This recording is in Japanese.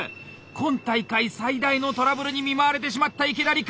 今大会最大のトラブルに見舞われてしまった池田陸！